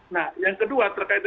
nah yang kedua terkait